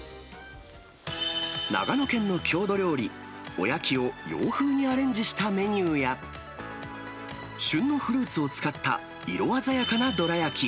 長野県の郷土料理、おやきを洋風にアレンジしたメニューや、旬のフルーツを使った、色鮮やかなどら焼き。